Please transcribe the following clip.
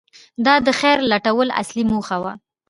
• دا د خیر لټول اصلي موخه وه.